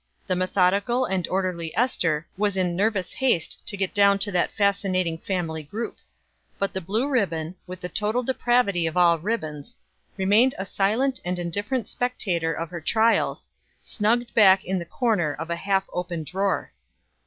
The methodical and orderly Ester was in nervous haste to get down to that fascinating family group; but the blue ribbon, with the total depravity of all ribbons, remained a silent and indifferent spectator of her trials, snugged back in the corner of a half open drawer.